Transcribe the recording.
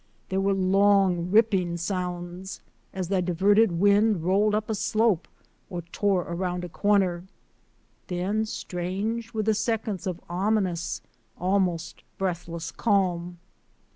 There were long, ripping sounds, as the diverted wind rolled up a slope or tore around a corner. Then, strange were the seconds of ominous, almost breathless, calm.